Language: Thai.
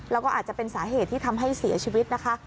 แล้วก็อาจจะเป็นสาเหตุที่ทำให้เสียชีวิตนะคะ